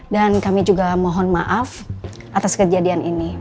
dan kami juga mohon maaf atas kejadian ini